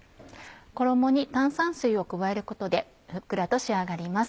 衣に炭酸水を加えることでふっくらと仕上がります。